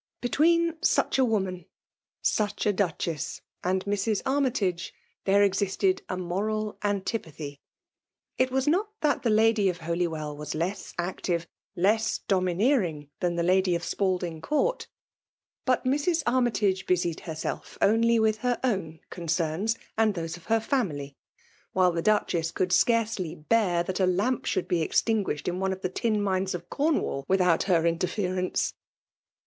Between such a woman — such a Duchess — and Mrs. Armytage, there existed a moral antipathy. It was not that the Lady of Holy wdX was less active, less domineering than the Lady of Spalding C5ourt ; but Mrs. Armytage busied herself only with her own concerns and those of h^ family, while the Dudbess could 272 FEMALE DOMINATIOK. scafcely bear that a lamp should be extin guished iti one of the tin mines of Cornwall witliout her interference.